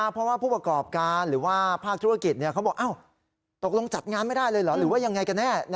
เพราะว่าผู้ประกอบการหรือว่าภาคธุรกิจเขาบอกตกลงจัดงานไม่ได้เลยเหรอหรือว่ายังไงกันแน่